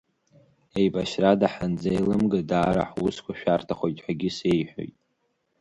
Еибашьрада ҳанзеилымга, даара ҳусқәа шәарҭахоит ҳәагьы сеиҳәоит.